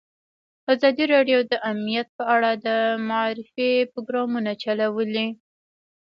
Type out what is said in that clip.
ازادي راډیو د امنیت په اړه د معارفې پروګرامونه چلولي.